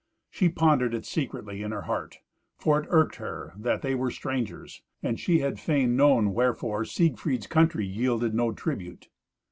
She pondered it secretly in her heart; for it irked her that they were strangers, and she had fain known wherefore Siegfried's country yielded no tribute.